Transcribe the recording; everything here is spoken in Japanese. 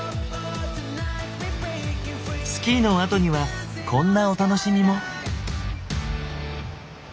スキーのあとにはこんなお楽しみも。